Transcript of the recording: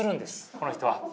この人は。